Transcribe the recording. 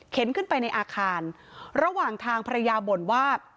ขึ้นไปในอาคารระหว่างทางภรรยาบ่นว่า